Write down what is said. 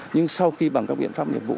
nhưng sau khi bằng các biện pháp nhiệm vụ